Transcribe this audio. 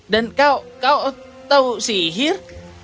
dan kau kau tahu sihir